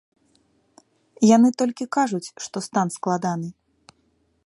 Яны толькі кажуць, што стан складаны.